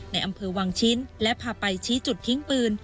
ในอำเภอวังชิ้นและพาไปชี้จุดทิ้งปืน